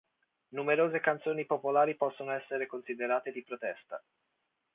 Numerose canzoni popolari possono essere considerate di protesta.